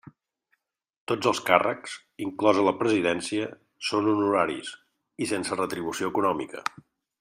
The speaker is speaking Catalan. Tots els càrrecs, inclosa la presidència, són honoraris i sense retribució econòmica.